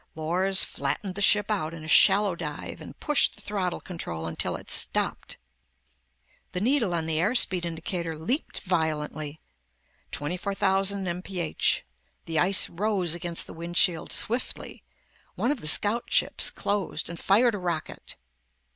Lors flattened the ship out in a shallow dive and pushed the throttle control until it stopped. The needle on the airspeed indicator leaped violently. 24,000 m.p.h. The ice rose against the windshield swiftly. One of the scout ships closed and fired a rocket.